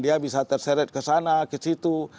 dia bisa terseret ke sana ke situ